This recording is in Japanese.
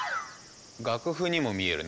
楽譜にも見えるな。